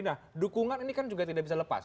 nah dukungan ini kan juga tidak bisa lepas